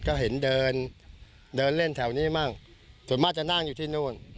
ก็เห็นเดินเดินเล่นแถวนี้บ้างส่วนมากจะนั่งอยู่ที่นู่น